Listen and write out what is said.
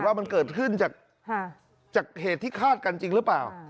ว่ามันเกิดขึ้นจากเหตุที่คาดกันจริงหรือเปล่า